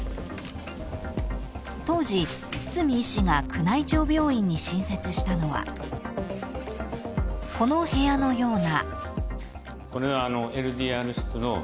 ［当時堤医師が宮内庁病院に新設したのはこの部屋のような］